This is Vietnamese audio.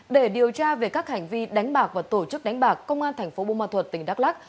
để điều tra về các hành vi đánh bạc và tổ chức đánh bạc công an tp bông ma thuật tỉnh đắk lắc